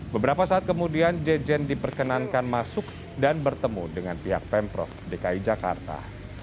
beberapa saat kemudian jejen diperkenankan masuk dan bertemu dengan pihak pemprov dki jakarta